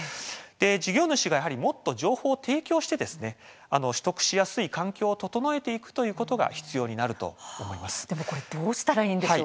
事業主がやはりもっと情報を提供して取得しやすい環境を整えていくということがどうしたらいいんでしょう。